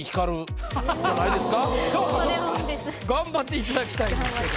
頑張っていただきたいですけど。